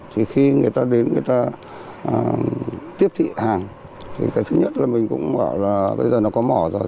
thì khi người ta đến người ta tiếp thị hàng thì cái thứ nhất là mình cũng bảo là bây giờ nó có mỏ rồi